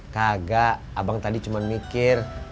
kagak abang tadi cuma mikir